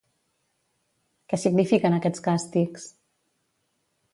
Què signifiquen aquests càstigs?